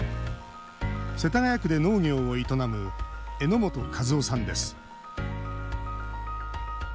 世田谷区で農業を営む榎本一夫さんです。